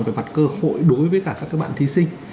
về mặt cơ hội đối với cả các bạn thí sinh